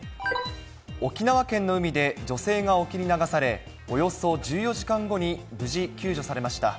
沖縄県の海で女性が沖に流され、およそ１４時間後に無事救助されました。